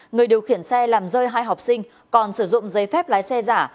người điều khiển xe làm rơi hai học sinh còn sử dụng giấy phép lái xe giả